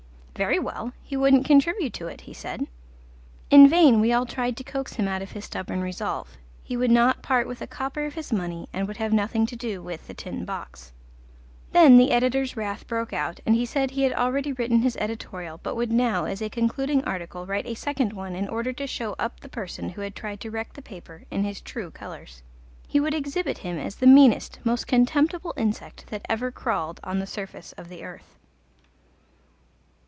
Very well, he wouldn't contribute to it, he said. In vain we all tried to coax him out of his stubborn resolve: he would not part with a copper of his money and would have nothing to do with The Tin Box. Then the Editor's wrath broke out, and he said he had already written his editorial, but would now, as a concluding article, write a second one in order to show up the person who had tried to wreck the paper, in his true colours. He would exhibit him as the meanest, most contemptible insect that ever crawled on the surface of the earth.